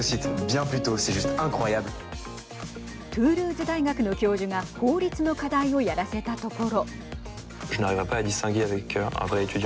トゥールーズ大学の教授が法律の課題をやらせたところ。